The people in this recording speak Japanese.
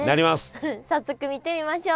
早速見てみましょう。